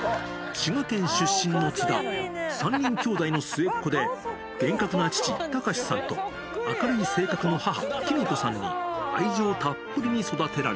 滋賀県出身の津田、３人兄弟の末っ子で、厳格な父、卓さんと明るい性格の母、きみ子さんに、愛情たっぷりに育てられ